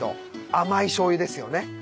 甘いしょうゆですよね。